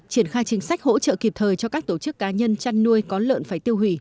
triển khai chính sách hỗ trợ kịp thời cho các tổ chức cá nhân chăn nuôi có lợn phải tiêu hủy